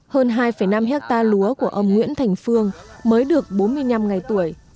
hơn hai năm hectare lúa của ông nguyễn thành phương mới được bốn mươi năm ngày tuổi